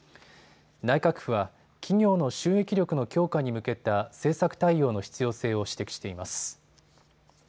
内閣府は企業の収益力の強化に向けた政策対応の必要性を指摘しています。